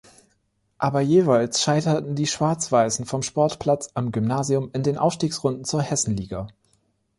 Aber jeweils scheiterten die Schwarz-Weißen vom Sportplatz am Gymnasium in den Aufstiegsrunden zur Hessenliga.